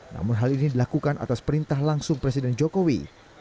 namun hal ini dilakukan atas perintah langsung presiden jokowi